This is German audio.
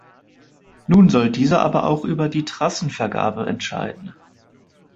Nun soll dieser aber auch über die Trassenvergabe entscheiden.